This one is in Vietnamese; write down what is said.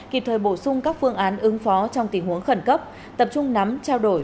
kịp thời bổ sung các phương án ứng phó trong tình huống khẩn cấp tập trung nắm trao đổi